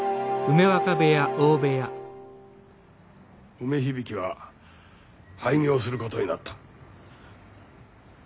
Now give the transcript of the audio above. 梅響は廃業することになった。